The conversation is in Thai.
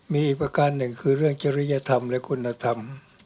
มีอีกประการหนึ่งคือเรื่องจริยธรรมและคุณธรรม